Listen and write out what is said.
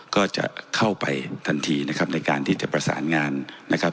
ก็จะเข้าไปทันทีนะครับในการที่จะประสานงานนะครับ